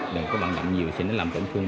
đừng có bằng nặng nhiều sẽ làm tổn thương